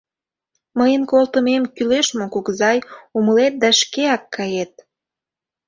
— Мыйын колтымем кӱлеш мо, кугызай, умылет да шкеак кает.